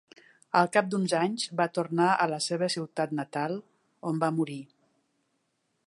Al cap d'uns anys va tornar a la seva ciutat natal, on va morir.